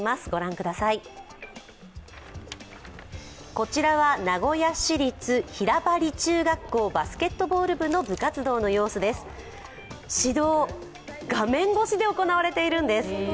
こちらは名古屋市立平針中学校バスケットボール部の部活動の様子、指導が画面越しで行われているんです。